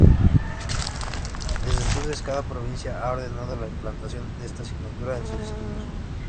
Desde entonces, cada provincia ha ordenado la implantación de esta asignatura en sus estudios.